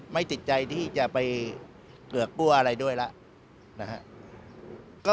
ไม่ติดใจที่จะไปเกลือกกลัวอะไรด้วยแล้วนะฮะ